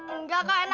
enggak kok enak enak